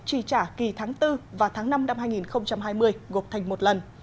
chi trả kỳ tháng bốn và tháng năm năm hai nghìn hai mươi gộp thành một lần